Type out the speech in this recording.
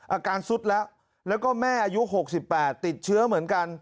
อาการสุดแล้วแล้วก็แม่อายุ๖๘ติดเชื้อเหมือนกัน